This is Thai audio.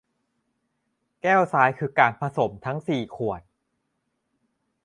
แก้วซ้ายคือการผสมทั้งสี่ขวด